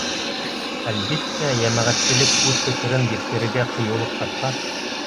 Әлбиттә, йәмәғәтселек үҙ фекерен еткерергә ҡыйыулыҡ тапһа.